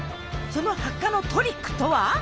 その発火のトリックとは？